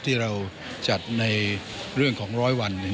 ที่เราจัดในเรื่องของร้อยวัน